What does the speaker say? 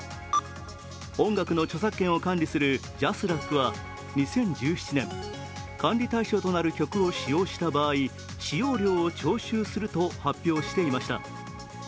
音楽の著作権を管理するＪＡＳＲＡＣは、２０１７年管理対象となる曲を使用した場合使用料を徴収すると発表していました。